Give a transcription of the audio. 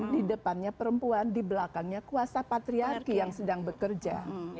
di depannya perempuan di belakangnya kuasa patriarki yang sedang bekerja